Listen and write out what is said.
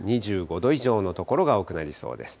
２５度以上の所が多くなりそうです。